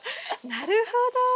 なるほど。